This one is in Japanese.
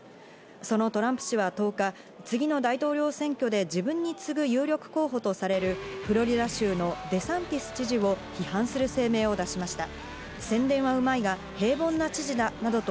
そのトランプ氏は１０日、次の大統領選挙で自分に次ぐ有力候補とされる、フロリダ州のデサンティス知事を批判する声明を出しました。